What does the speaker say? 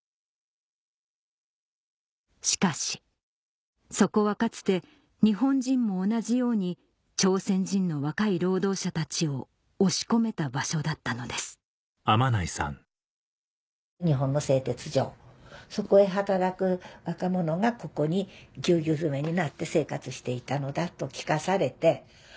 しかしそこはかつて日本人も同じように朝鮮人の若い労働者たちを押し込めた場所だったのです日本の製鉄所そこで働く若者がここにぎゅうぎゅう詰めになって生活していたのだと聞かされて。